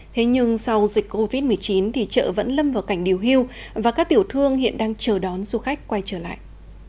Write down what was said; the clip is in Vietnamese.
thế nhưng sau dịch covid một mươi chín thì chợ vẫn lâm vào cảnh điều hiu và các tiểu thương hiện đang chờ đón du khách quay trở lại